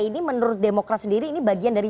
ini menurut demokrat sendiri ini bagian dari